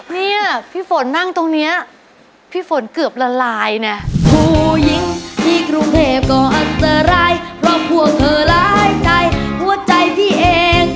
นี่พี่โฝนนั่งตรงนี้พี่โฝนเกือบละลายแน่